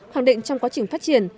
hoàng định trong quá trình phát triển